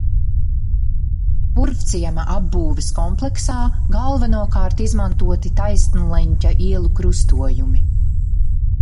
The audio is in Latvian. Purvciema apbūves kompleksā galvenokārt izmantoti taisnleņķa ielu krustojumi.